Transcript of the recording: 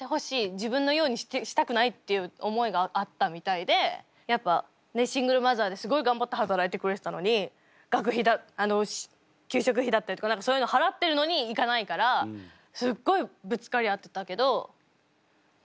自分のようにしたくない」っていう思いがあったみたいでやっぱシングルマザーですごい頑張って働いてくれてたのに学費だ給食費だったりとか何かそういうの払ってるのに行かないからすっごいぶつかり合ってたけどうん。